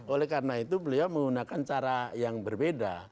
oleh karena itu beliau menggunakan cara yang berbeda